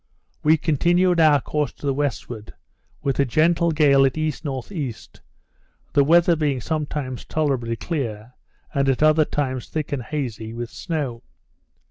We continued our course to the westward, with a gentle gale at E.N.E., the weather being sometimes tolerably clear, and at other times thick and hazy, with snow.